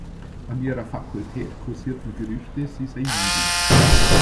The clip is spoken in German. An ihrer Fakultät kursierten Gerüchte, sie sei Jüdin.